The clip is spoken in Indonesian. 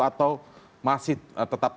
atau masih tetap